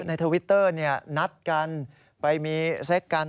ทวิตเตอร์นัดกันไปมีเซ็กกัน